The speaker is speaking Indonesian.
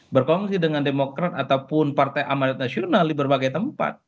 berkongsi dengan demokrat ataupun partai amanat nasional di berbagai tempat